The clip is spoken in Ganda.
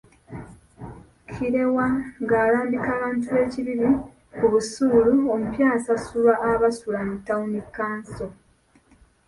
Kireewa ng'alambika abantu b'e Kibibi ku busuulu omupya asasulwa abasula mu Town Council.